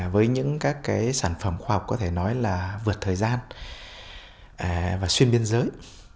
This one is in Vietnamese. với những các sản phẩm khoa học có thể nói là vượt thời gian và xuyên biên giới